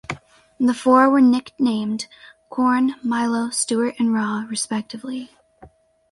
The four were nicknamed "Corn", "Milo", "Stuart", and "Raw", respectively.